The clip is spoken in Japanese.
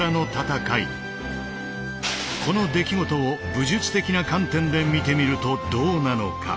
この出来事を武術的な観点で見てみるとどうなのか？